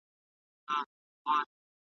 زه اوږده وخت مينه څرګندوم وم!